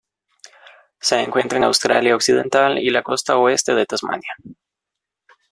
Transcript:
Se encuentra en Australia Occidental y la costa oeste de Tasmania.